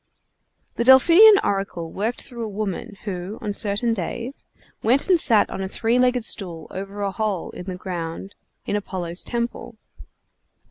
The Delphian oracle worked through a woman, who, on certain days, went and sat on a three legged stool over a hole in the ground in Apollo's temple.